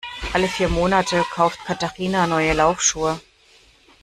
Alle vier Monate kauft Katharina neue Laufschuhe.